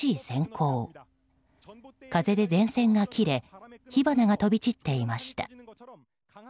風で電線が切れ火花が飛び散っていました。